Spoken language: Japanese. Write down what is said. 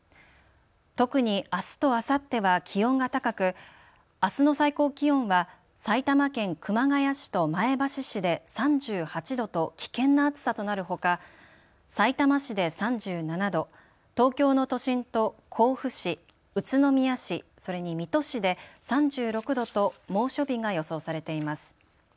特にあすとあさっては気温が高くあすの最高気温は埼玉県熊谷市と前橋市で３８度と危険な暑さとなるほか、さいたま市で３７度、東京の都心と甲府市、宇都宮市、それに水戸市で３６度と猛暑日が予想されています。